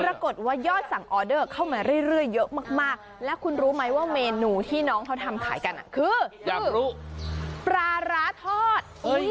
ยอดสั่งออเดอร์เข้ามาเรื่อยเยอะมากแล้วคุณรู้ไหมว่าเมนูที่น้องเขาทำขายกันคืออยากรู้ปลาร้าทอด